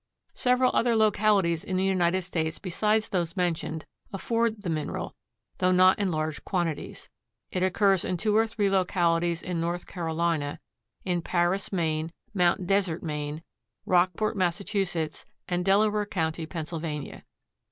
Several other localities in the United States besides those mentioned afford the mineral, though not in large quantities. It occurs in two or three localities in North Carolina; in Paris, Maine; Mount Desert, Maine; Rockport, Massachusetts; and Delaware county, Pennsylvania.